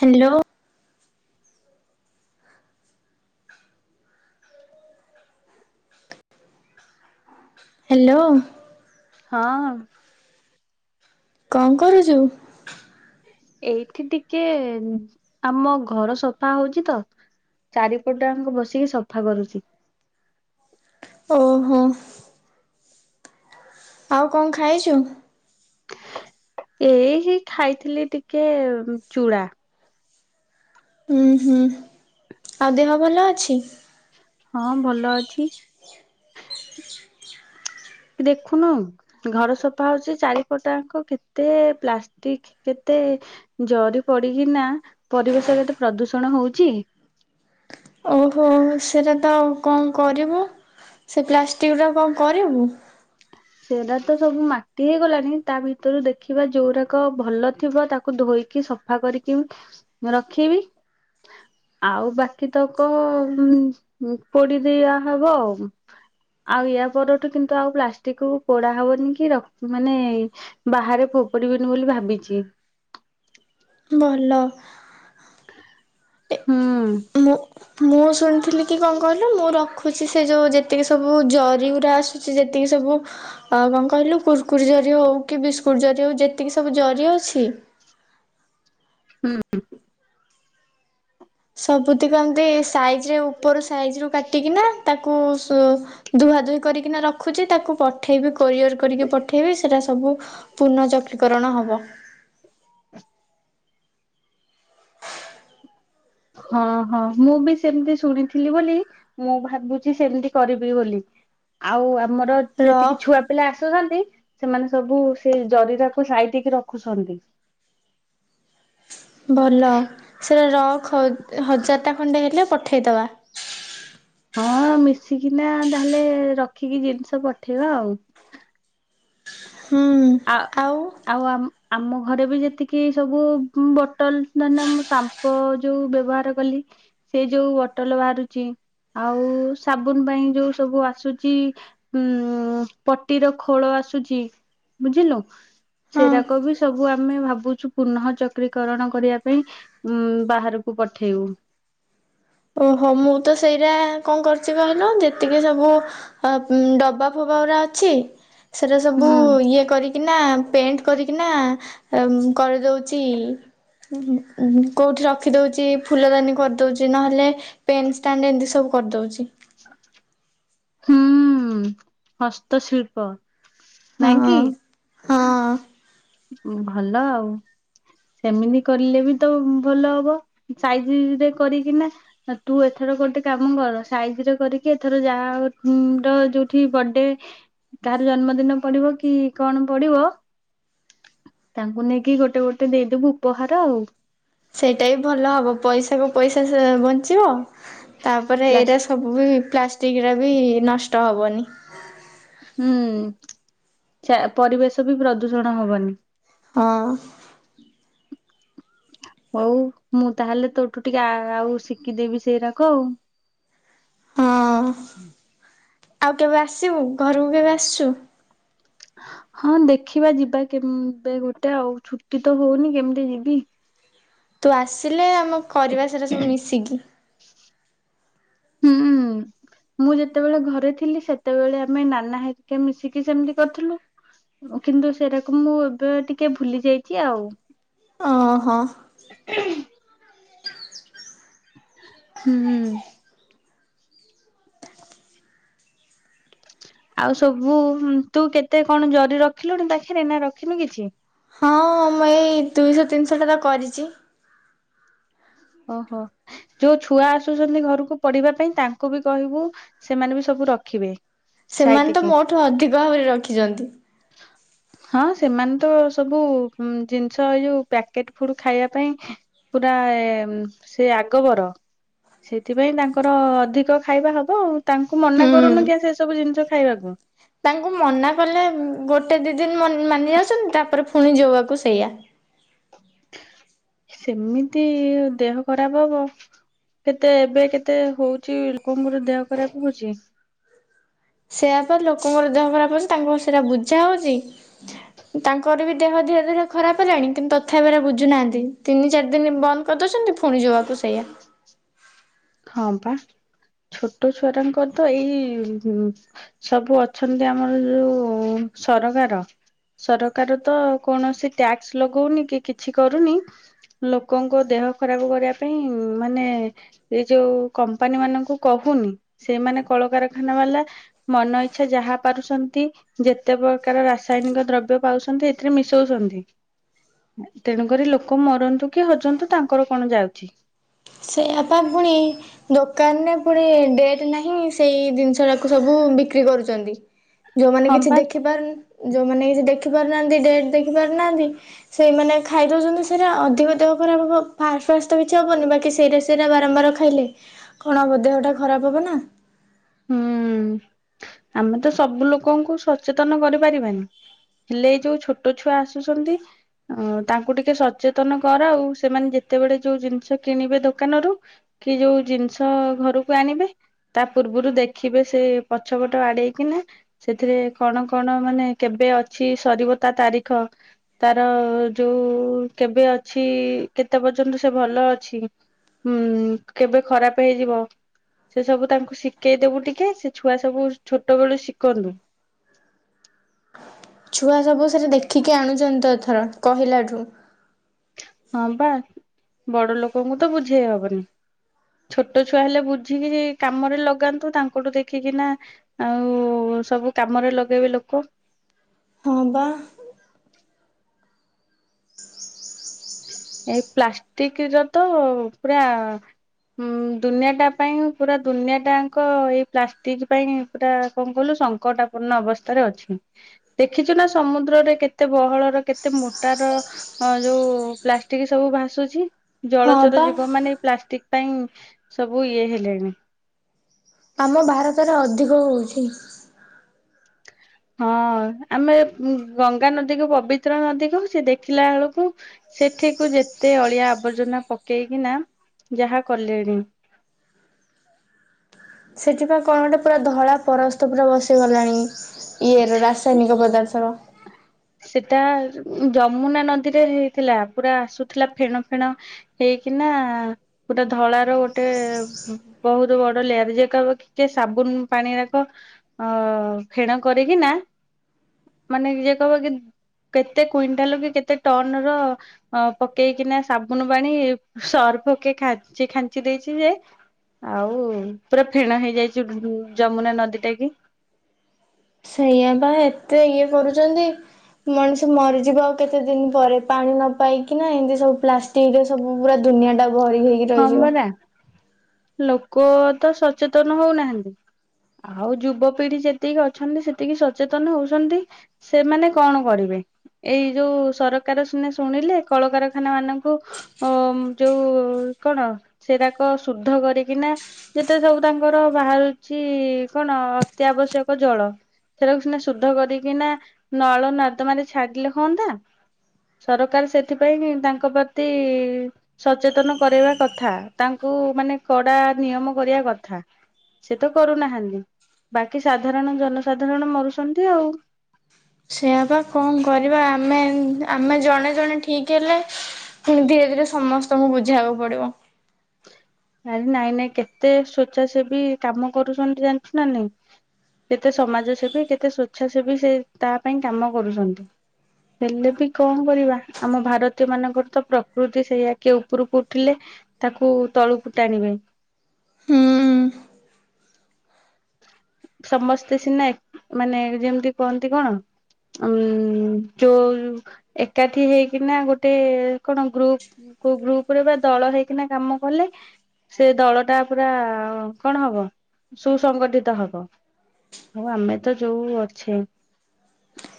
Hello hello. ହଁ। କଣ କରୁଛୁ? ଏଇଠି ଟିକେ ଆମ ଘର ସଫା ହଉଛି ତ ଚାରିପଟାଙ୍କୁ ବସିକି ସଫା କରୁଛି। ଓହୋ। ଆଉ କଣ ଖାଇଛୁ? ଏଇ ହି ଖାଇଥିଲି ଟିକେ ଚୁଡ଼ା। ହୁଁ ହୁଁ। ଆଉ ଦେହ ଭଲ ଅଛି। [inaudible] ହଁ ଭଲ ଅଛି। ଦେଖୁନୁ ଘର ସଫା ହଉଛି ଚାରିପଟାଙ୍କ କେତେ ପ୍ଲାଷ୍ଟିକ କେତେ ଜରି ପଡିକିନା ପରିବେଶ କେତେ ପ୍ରଦୂଷଣ ହଉଛି। ଓହୋ ସେଇଟା ତ କଣ କରିବୁ ସେ ପ୍ଲାଷ୍ଟିକ୍ଟା କଣ କରିବୁ? ସେଟା ତ ସବୁ ମାଟି ହେଇଗଲାଣି ତା ଭିତରୁ ଦେଖିବା ଯୋଉଡାକ ଭଲ ଥିବ ତାକୁ ଧୋଇକି ସଫା କରିକି ରଖିବି ଆଉ ବାକି ତକ ପୋଡି ଦେଇବା ହବ ଆ ଆଉ ୟା ପରଠୁ କିନ୍ତୁ ଆଉ ପ୍ଲା କୁ ପୋଡା ହବନି କି ମାନେ ବାହାରେ ଫୋପଡିବିନି ବୋଲି ଭାବିଛି। ଭଲ। ହୁଁ ମୁ ଶୁଣିଥିଲି କି କଣ କ ରଖୁଛି ସେ ଯୋଉ ଯେତିକି ସବୁ ଜରି ଗୁଡା ଆସୁଛି ଯେତିକି ସବୁ କଣ କହିଲୁ କୁର୍କୁର ଜରି ହଉ କି ବିସ୍କୁଟ ଜରି ହଉ ଯେତିକି ସବୁ ଜରି ଅଛି। ହୁଁ ହଁ। ସବୁ ଏତ କନ୍ତି ସାଇଜ୍ ଉପର ସାଇଜ୍ କାଟିକିନା ତାକୁ। ଧୁଆ ଦୁହି କରିକିନା ରଖୁଛି ତାକୁ ପଠେଇବି। କରିଅର୍ କରିକି ପଠେଇବି ସେଟା ସବୁ ପୂର୍ଣ୍ଣ ଚକକରଣ ହବ। ହଁ ହଁ ମୁଁ ବି ସେମିତି ଶୁଣିଥିଲି ବୋଲି ମୁଁ ଭାବୁଛି ସେମିତି କରିବି ବୋଲି। ଆଉ ଆ ଆମର ର ଯେତିକି ଛୁଆ ପିଲା ଆସ ଆସୁଛନ୍ତି ସେମାନେ ସବୁ ସେ ଜରିରାକୁୁ ସାଇ ଦେଇକି ରଖୁଛନ୍ତି। ଭଲ ସେଟା ରକ୍ ହଜାର ଟା ଖଣ୍ଡେ ହେଲେ ପ ଠେତବା [unintelligible] ହଁ ମିଶିକିନା ତାହେଲେ ରଖିକି ଜିନିଷ ପଠେଇବା ଆଉ। ହଁ ଆ ଆଉ। ଆମ ଘରେ ବି ଯେତିକି ସବୁ ବଟଲ ଧରି ନିଅ ମୁଁ ସାମ୍ପୁ ଯୋଉ ବ୍ୟବହାର କଲି ସେ ଯୋଉ ବୋଟଲ ବାହାରୁଛି ଆଉ ସାବୁନ ପାଇଁ ଯୋଉ ସବୁ ଆସୁଛି ଉ ପଟିର ଖୋଳ ଆସୁଛି। ବୁଝିଲୁ ହଁ ସେରାକ ବି ସବୁ ଆମେ ଭାବୁଛୁ ପୁନଃ ଚକ୍ରିକରଣ କରିବା ପାଇଁ ଉ ବାହାରକୁ ପଠେଇବୁ। ଓହୋ ମୁଁ ତ ସେଇରା କଣ କରୁଛି କହିଲୁ ଯେତିକି ସବୁ ଅମ ଡବା ଫବା ହରା ଅଛି। ସେଇଟା ସବୁ ହୁଁ ଇଏ କରିକିନା ପେଣ୍ଟ କରିକିନା ଉମ କରିଦଉଚି କଉଁଠି ରଖିଦଉଚି ଫୁଲଦାନୀ କରିଦଉଛି ନହେଲେ ପେନ୍ ଷ୍ଟାଣ୍ଡ ଏମିତି ସବୁ କରିଦଉଚି। ହୁଁ-ଉ-ଉ ହସ୍ତଶିଳ୍ପ। ନାଇ ହଁ। କି। ହଁ ଭଲ ଆଉ ସେମିତି କରିଲେ ବି ତ ଭଲ ହବ ସାଇଜିରେ କରିକିନା ତୁ ଏଥର ଗୋଟେ କାମ କର। ସାାଇଜିରେ କରିକି ଏଥର ଯାହା ଉମ ର ଯୋଉଠି ବଡେ ତାହାର ଜନ୍ମଦିନ ପଡିବ କି କଣ ପଡିବ। ତାଙ୍କୁ ନେଇକି ଗୋଟେ ଗୋଟେ ଦେଇଦବୁ ଉପହାର ଆଉ। ସେଇଟା ବି ଭଲ ହବ ପଇସାକୁ ପଇସା ସେ ବଞ୍ଚିବ। ତାପରେ ଏଇଟା ପ୍ଲାଷ୍ଟ ସବୁ ବି ପ୍ଲାଷ୍ଟିକ ର ବି ନଷ୍ଟ ହବନି। ହୁଁ ଚା ପରିବେଶ ବି ପ୍ରଦୂଷଣ ହବନି। ହଁ। ହଉ ମୁଁ ତାହେଲେ ତୋଉଠୁ ଟିକେ ଆ ଆଉ ଶିଖିଦେବି ସେଇରାକ। ଉ। ହଁ ଆଉ କେବେ ଆସିବୁ ଘରକୁ କେବେ ଆସୁଛୁ। ହଁ ଦେଖିବା ଯିବା କେବେ ଗୋଟେ ଆଉ ଛୁଟି ତ ହଉନି କେମିତି ଯିବି। ତୁ ଆସିଲେ ଆ କରିବା ସେରା ସବୁ ମିଶିକି। ହୁଁ ମୁଁ ଯେତେବେଳେ ଘରେ ଥିଲି ସେତେବେଳେ ଆମେ ନାନା ହେରିକା ମିଶିକି ସେମିତି କରିଥିଲୁ କିନ୍ତୁ ସେରାକୁ ମୁଁ ଏବେ ଟିକେ ଭୁଲି ଯାଇଛି ଆଉ। ଓ ହୋ। ହୁଁ। ଆଉ ସବୁ ତୁ କେତେ କଣ ଜରି ରଖିଲୁଣି ପାଖରେ ନା ରଖିନୁ କିଛି। ହଁ ମୁଁ ଏଇ ଦୁଇଶହ ତିନିଶହ ଟା କରିଚି। ଓହୋ ଯୋଉ ଛୁଆ ଆସୁଛନ୍ତି ଘରକୁ ପଢିବା ପାଇଁ ତାଙ୍କୁ ବି କହିବୁ ସେମାନେ ବି ସବୁ ରଖିବେ। ସେମାନେ ତ ସାଇତିକି ମୋ ଠୁ ଅଧିକ ଭାବରେ ରଖିଛନ୍ତି। ହଁ ସେମାନେ ତ ସବୁ ଜିନିଷ ଏଇ ଯୋଉ ପ୍ୟାକେଟ ଫୁଡ ଖାଇବା ପାଇଁ ପୁରା ସେ ଆଗବର ସେଥିପାଇଁ ତାଙ୍କର ଅଧିକ ଖାଇବା ହବ ଆଉ। ତାଙ୍କୁ ମନା ହୁଁ କରୁନୁ କି ସେ ସବୁ ଜିନିଷ ଖାଇବାକୁ। ତାଙ୍କୁ ମନା କଲେ ଗୋଟେ ଦି ଦିନ ମନା ମାନି ଯାଉଛନ୍ତି ତାପରେ ପୁଣି ଯଉଆକୁ ସେ ସେୟା। ସେମିତି ଦେହ ଖରାପ ହବ କେତେ ଏବେ କେତେ ହଉଛି ଲୋକଙ୍କର ଦେହ ଖରାପ ହଉଛି। ସେୟାପା ଲୋକଙ୍କର ଦେହ ଖରାପ ହଉଛି ତାଙ୍କୁ ସେଇଟା ବୁଝା ହଉଛି। ତାଙ୍କ। ମୋତେ ବି ଦେହ ଧୀରେ ଧୀରେ ଖରାପ ହେଲାଣି କିନ୍ତୁ ତଥାପିାର ବୁଝୁନାହାନ୍ତି ତିନି ଚାରି ଦିନ ବନ୍ଦ କରିଦଉଛନ୍ତି ଫୁ ପୁଣି ଯେଆକୁ ସେୟା। ହଁ ବା ଛୋଟ ଛୁଆରଙ୍କର ତ ଏଇ ସବୁ ଅଛନ୍ତି ଆମର ଯୋଉ ସରକାର ସରକାର ତ କୌଣସି ଟ୍ୟାକ୍ସ ଲଗଉନି କି କିଛି କରୁନି ଲୋକଙ୍କ ଦେହ ଖରାପ କରିବା ପାଇଁ ମାନେ। ଏଇ ଯୋଉ କମ୍ପାନୀ ମାନଙ୍କୁ କହୁନ ସେମାନେ କଳକାରଖାନା ବାଳା ମନ ଇଚ୍ଛା ଯାହା ପାରୁଛନ୍ତି ଯେତେ ପ୍ରକାର ରାସାୟନିକ ଦ୍ରବ୍ୟ ପାଉଛନ୍ତି ଏଥିରେ ମିଶଉଛନ୍ତି ତେଣୁକରି ଲୋକ ମରନ୍ତୁ କି ହଜନ୍ତୁ ତାଙ୍କର କଣ ଯାଉଛି। ସେୟାଵା ପୁଣି ଦୋକାନରେ ପୁଣି ଡେଟ୍ ନାହିଁ ସେଇ ଜିନିଷଟାକୁ ସବୁ ବିକ୍ରି କରୁଛନ୍ତି। ଯୋଉମାନେ ହଁ କିଛି ବା ଦେଖିପାରୁନି। ଯୋଉମାନେ କିଛି ଦେଖି ପାରୁନାହାନ୍ତି ଡେଟ୍ ଦେଖି ପାରୁନାହାନ୍ତି ସେଇମାନେ ଖାଇଦଉଛନ୍ତି ସେଇଟା ଅଧିକ ଦେହ ଖରାପ ହବ ଫାଷ୍ଟ ଫାଷ୍ଟ ତ କିଛି ହବନି ବାକି। ସେଇଟା ସେଇଟା ବାରମ୍ବାର ଖାଇଲେ କଣ ହବ ଦେହଟା ଖରାପ ହବ ନା। ହୁଁ ଆମେ ତ ସବୁ ଲୋକଙ୍କୁ ସଚେତନ କରିପାରିବାନି ହେଲେ ଏଇ ଯୋଉ ଛୋଟ ଛୁଆ ଆସୁଛନ୍ତି ତାଙ୍କୁ ଟିକେ ସଚେତନ କର ଆଉ ସେମାନେ ଯେତେବେଳେ ଯୋଉ ଜିନିଷ କିଣିବେ ଦୋକାନରୁ କି ଯୋଉ ଜିନିଷ ଘରକୁ ଆଣିବେ ତା ପୂର୍ବରୁ ଦେଖିବେ ସେ ପଛପଟ ଆଡେଇକିନା ସେଥିରେ କଣ କଣ ମାନେ କେବେ ଅଛି ସରିବ ତା ତାରିଖ ତାର ଯୋଉ କେବେ ଅଛି କେତେ ପର୍ଯ୍ୟନ୍ତ ସେ ଭଲ ଅଛି କେବେ ଖରାପ ହେଇଯିବ ସେ ସବୁ ତାକୁ ଶି ଶିଖେଇଦବୁ ଟିକେ ସେ ଛୁଆ ସବୁ ଛୋଟ ବେଳୁ ଶିଖନ୍ତୁ। ଛୁଆ ସବୁ ସେଟା ଦେଖିକି ଆଣୁଛନ୍ତି ଏତଥର କହିଲା ଠୁଁ। ହଁ ବା ବଡ ଲୋକଙ୍କୁ ତ ବୁଝେଇ ହବନି ଛୋଟ ଛୁଆ ହେଲେ ବୁଝିକି କାମରେ ଲଗାନ୍ତୁ ତାଙ୍କଠୁ ଦେଖିକି ନା ଆଉ ସବୁ କାମରେ ଲଗେଇବେି ଲୋକ। ହଁ ବା। ହ ଏଇ ପ୍ଲାଷ୍ଟିକ ର ତ ପୁରା ଦୁନିଆ ଟା ପାଇଁ ପୁରା ଦୁନିଆଟାଙ୍କ ଏଇ ପ୍ଲାଷ୍ଟିକ ପାଇଁ ପୁରା କଣ କହିଲୁ ସଙ୍କଟପୂନ୍ଣ ଅବସ୍ଥାରେ ଅଛି ଦେଖିଛୁ ନା ସମୁଦ୍ରରେ କେତେ ବହଳର କେତେ ମୋଟାର ଯୋଉ। ପ୍ଲାଷ୍ଟିକ ସବୁ ଭାସୁଛି। ହଁ ଜଳଚର ବା ଯୀବ ମାନେଇ ଏଇ ପ୍ଲାଷ୍ଟିକ। ପାଇଁ ସବୁ ଇଏ ହେଲେଣି। ଆମ ଭାରତରେ ଅଧିକ ହଉ ଛି। ହଁ ଆମେ ଗଙ୍ଗା ନଦୀକୁ ପବିତ୍ର ନଦୀକୁ କହୁଛେ ଦେଖିଲା ବେଳକୁ ସେଠିକୁ ଯେତେ ଅଳିଆ ଆବର୍ଜନା ପକେଇକିନା ଯାହା କଲେଣି। ସେଥିପାଇଁ କଣ ଗୋଟେ ପୁରା ଧଳା ପରସ୍ତ ପୁରା ବସିଗଲାଣି। ଇଏର ରାସାୟନିକ ପଦାର୍ଥର। ସେଟା ଯମୁନା ନଦୀରେ ହେଇଥିଲା ପୁରା ଆସୁଥିଲା ଫେଣ ଫେଣ ହେଇକିନା ପୁରା ଧଳାର ଗୋଟେ ବହୁତ ବଡ ଲେୟାର ଯକିକେ ସାବୁନ ପାଣି ଯାକ ଅ ଫେଣ କରିକିନା ମାନେ ଏ। [inaudible] କେତେ କୁଇଣ୍ଟାଲ କି କେତେ ଟନ ର ପକେଇକିନା ସାବୁନ ପାଣି ସର୍ଫକା ଖାଞ୍ଚି ଦେଇଛି ଯେ ଆଉ ପୁରା ଫେଣା ହେଇଯାଇଛି ଯମୁନା ନଦୀ ଟା କି ସେଇଆ ବା ଏତେ ଇଏ କରୁଛନ୍ତି ମଣିଷ ମରିଯିବ ଆଉ କେତେ ଦିନ ପରେ ପାଣି ନ ପାଇକିନା ଏମିତି ସବୁ ପ୍ଲାଷ୍ଟିକରେ ସବୁ ପୁରା ଦୁନିଆ ଟା। ଭରି ହେଇକି ହଁ ରହିଯିବ। ପରା ଲୋକ ତ ସଚେତନ ହଉନାହାନ୍ତି ଆଉ ଯୁବପିଢି ଯେତିକି ଅଛନ୍ତି ସେତିକି ସଚେତନ ହଉଛନ୍ତି ସେମାନେ କଣ କରିବେ ଏଇ ଯୋଉ ସରକାର ସିନା ଶୁଣିଲେ କଳକାରଖାନା ମାନଙ୍କୁ ଅ ଯୋଉ। କଣ ସେଡାକ ଶୁଦ୍ଧ କରିକିନା ଯେତେ ସବୁ ତାଙ୍କର ବାହାରୁଛି କଣ ଅତି ଆବଶ୍ୟକ ଜଳ ସେଟାକୁ ସିନା ଶୁଦ୍ଧ କରିକିନା ନଳ ମାଧମା ରେ ଛାଡ଼ିଲେ ହୁଅନ୍ତା ସରକାର ସେଥିପାଇଁ ତାଙ୍କ ପ୍ରତି ସଚେତନ। କରେଇଵା କଥା ତାଙ୍କୁ ମାନେ କଡା ନିୟମ କରିବା କଥା ସେ ତ କରୁନାହାନ୍ତି ବାକି ସାଧାରଣ ଜନସାଧାରଣ ମରୁଛନ୍ତି ଆଉ। ସେଇଆ ବା କଣ କରିବା ଆମେ ଆମେ ଜଣେ ଜଣେ। ଠିକ ହେଲେ। [unintelligible] ଏଇଟା ସମସ୍ତଙ୍କୁ ବୁଝିବାକୁ ପଡିବ। ଆରେ ନାଇଁ ନାଇଁ କେତେ ସ୍ଵେଚ୍ଛାସେବୀ କାମ କରୁଛନ୍ତି ଜାଣିଛୁ ନା ନାଇଁ କେତେ ସମାଜ ସେେବୀ କେତେ ସ୍ଵେଚ୍ଛାସେବୀ ସେ ତା ପାଇଁ କାମ କରୁଛନ୍ତି ହେଲେ ବି କଣ କରିବା ଆମ ଭାରତୀୟ ମାନଙ୍କର ତ ପ୍ରକୃତି ସେଇଆା କେ ଉପରକୁ ଉଠିଲେ ତାକୁ ତଳକୁ। ଟାଣିବେ। ହୁଁ ସମସ୍ତେ ସିନା ମାନେ ଯେମିତି କହନ୍ତି କଣ ଉ ଯୋଉ ଏକାଠି ହେଇକିନା ଗୋଟେ କଣ ଗ୍ରୁପ ଗ୍ରୁପ ରେ ବା ଦଳ ହେଇକିନା କାମ କଲେ ସେ ଦଳ ଟା ପୁରା କଣ ହବ ସ ସଂଗଠିତ ହବ ଆଉ ଆମେ ତ ଯୋଉ ଅଛେ।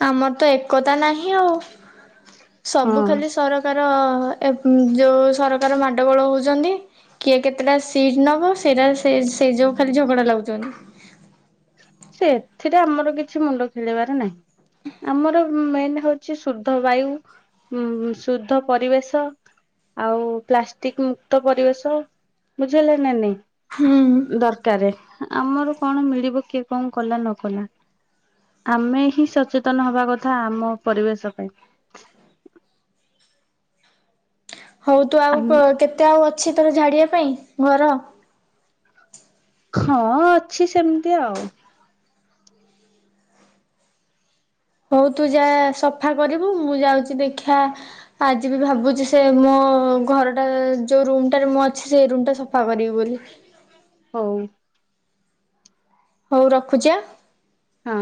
ଆମର ତ ଏକତା ନାହିଁ ଆଉ। ସବୁ ହଁ ଖାଲି ସରକାର। ଅ, ଏ, ଉଁ, ଯୋଉ ସରକାର ମାଡଗୋଳ ହଉଚନ୍ତି, କିଏ କେତେଟା ସିଟ୍ ନବ ସେଇଟା ସେ ସେଇ ଯୋଉ ଖାଲି ଝଗଡା ଲାଗୁଚନ୍ତି। ସେ ଏଥିରେ ଆମର କିଛି ମୁଣ୍ଡ ଖେଳିବାର ନାହିଁ, ଆମର ମେନ ହଉଛି ଶୁଦ୍ଧ ବାୟୁ ଉଁ, ଶୁଦ୍ଧ ପରିବେଶ, ଆଉ ପ୍ଲାଷ୍ଟିକ ମୁକ୍ତ ପରିବେଶ, ବୁଝି ହେଲା ନା ନାଇଁ। ହୁଁ ଦରକାରେ। ଆମର କଣ ମିଳିବ କିଏ କଣ କଲା ନ କଲା ଆମେ ହିଁ ସଚେତନ ହବା କଥା ଆମ ପରିବେଶ ପାଇଁ। ହଉ ତୁ ଆଉ ଅ, କେତେ ଆଉ ଅଛି ତୋର ଝାଡିବା ପାଇଁ ଘର। ହଁ ଅଛି ସେମିତି ଆଉ। ହଉ ତୁ ଯା ସଫା କରିବୁ ମୁଁ ଯାଉଚି ଦେଖିଆ ଆଜି ବି ଭାବୁଚି ସେ ମୋ ଘରଟା ଯୋଉ ରୁମ୍ ଟାରେ ମୁଁ ଅଛି ସେଇ ରୁମ୍ ଟା ସଫା କରିବି ବୋଲି। ହଉ। ହଉ ରଖୁଚି ଆଁ। ହଁ।